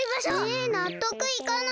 えなっとくいかない！